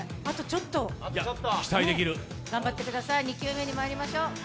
あとちょっと、頑張ってください、２球目にまいりましょう。